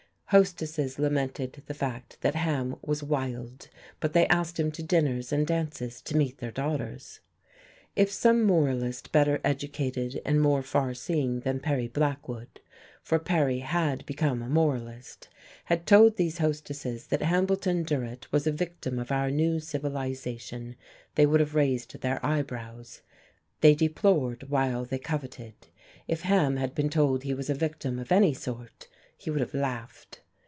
Hostesses lamented the fact that Ham was "wild," but they asked him to dinners and dances to meet their daughters. If some moralist better educated and more far seeing than Perry Blackwood (for Perry had become a moralist) had told these hostesses that Hambleton Durrett was a victim of our new civilization, they would have raised their eyebrows. They deplored while they coveted. If Ham had been told he was a victim of any sort, he would have laughed.